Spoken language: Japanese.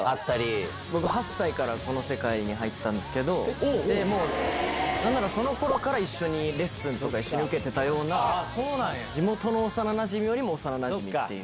僕、８歳からこの世界に入ったんですけど、もう、なんならそのころから一緒にレッスンとか、一緒に受けてたような、地元の幼なじみよりも幼なじみっていう。